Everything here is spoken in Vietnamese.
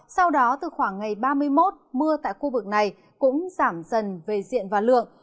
sau đó từ khoảng ngày ba mươi một mưa tại khu vực này cũng giảm dần về diện và lượng